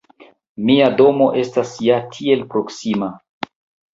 Mia domo estas ja tiel proksima!